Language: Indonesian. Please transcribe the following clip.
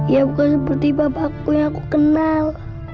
ya bukan seperti papa aku yang aku kenal